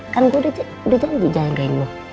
kan gue udah janji jagain lo